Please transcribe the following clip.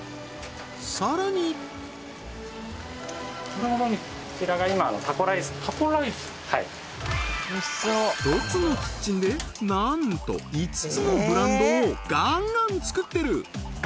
さらに１つのキッチンでなんと５つのブランドをガンガン作ってる！